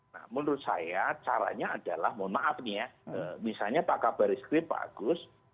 nah menurut saya caranya adalah mohon maaf nih ya misalnya pak kabar eskrim pak agus